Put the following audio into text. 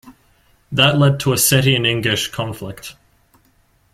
That led to Ossetian-Ingush conflict.